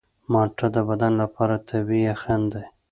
مالټه د بدن لپاره طبیعي یخن دی.